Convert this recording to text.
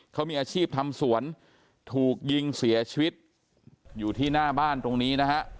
เขามีอาชีพทำสวนถูกยิงเสียชีวิตอยู่ที่หน้าบ้านตรงนี้นะฮะ